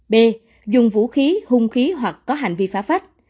b dùng vũ khí hung khí hoặc có hành vi phách